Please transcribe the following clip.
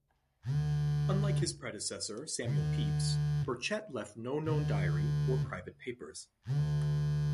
Unlike his predecessor Samuel Pepys, Burchett left no known diary or private papers.